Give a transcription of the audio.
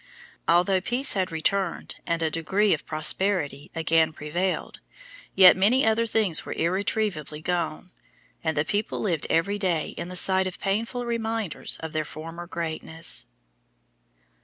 Although peace had returned and a degree of prosperity again prevailed, yet many other things were irretrievably gone, and the people lived every day in the sight of painful reminders of their former greatness.